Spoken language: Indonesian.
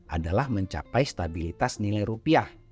adalah mencapai stabilitas nilai rupiah